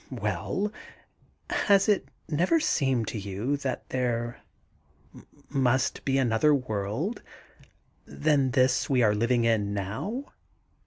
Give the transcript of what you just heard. * Well I has it never seemed to you that there must be another world than this we are living in now